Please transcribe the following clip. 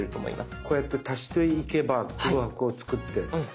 こうやって足していけば空白を作って。